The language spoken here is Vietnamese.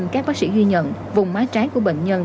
các bác sĩ ghi nhận vùng mái trái của bệnh nhân